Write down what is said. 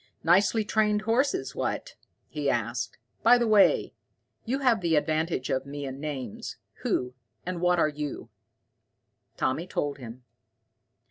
"Nicely trained horses, what?" he asked. "By the way, you have the advantage of me in names. Who and what are you?" Tommy told him.